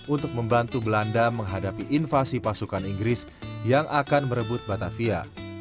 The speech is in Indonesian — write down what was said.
untuk membantu belanda menghadapi invasi pasukan inggris yang akan merebut batavia